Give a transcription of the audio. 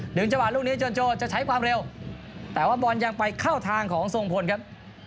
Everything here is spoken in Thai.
จังหวะลูกนี้จนโจจะใช้ความเร็วแต่ว่าบอลยังไปเข้าทางของทรงพลครับ